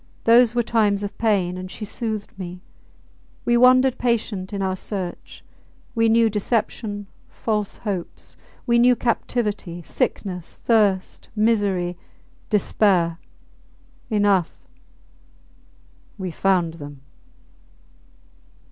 Those were times of pain, and she soothed me. We wandered patient in our search. We knew deception, false hopes; we knew captivity, sickness, thirst, misery, despair .... Enough! We found them!